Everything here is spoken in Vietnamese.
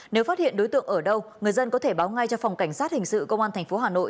nếu phát hiện đối tượng ở đâu người dân có thể báo ngay cho phòng cảnh sát hình sự công an tp hà nội